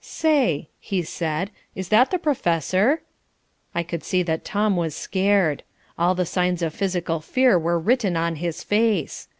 "Say," he said, "is that the professor?" I could see that Tom was scared. All the signs of physical fear were written on his face.